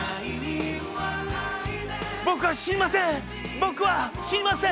僕は死にません！